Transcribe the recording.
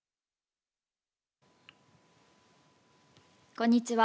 こんにちは。